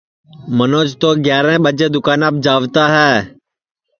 منوج تو گیاریں ٻجے دؔوکاناپ جاوتا ہے